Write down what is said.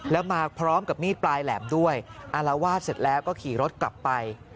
แล้วมาพร้อมกับมีดปลายแหลมด้วยอารวาสเสร็จแล้วก็ขี่รถกลับไป